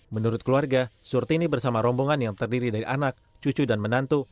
menurut keluarga surtini bersama rombongan yang terdiri dari anak cucu dan menantu